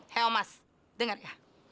heo mas denger ya